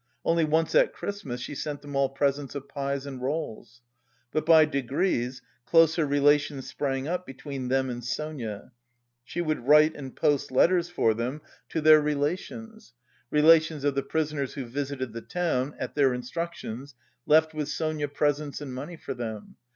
Only once at Christmas she sent them all presents of pies and rolls. But by degrees closer relations sprang up between them and Sonia. She would write and post letters for them to their relations. Relations of the prisoners who visited the town, at their instructions, left with Sonia presents and money for them.